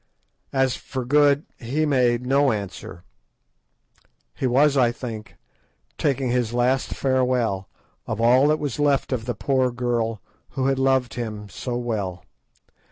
As for Good, he made no answer. He was, I think, taking his last farewell of all that was left of the poor girl who had loved him so well.